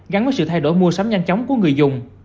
gắn với sự thay đổi mua sắm nhanh chóng của người dùng